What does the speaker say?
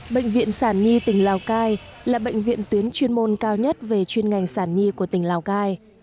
bệnh viện sản nhi tỉnh lào cai là bệnh viện tuyến chuyên môn cao nhất về chuyên ngành sản nhi của tỉnh lào cai